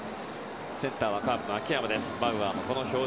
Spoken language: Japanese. センターはカープの秋山。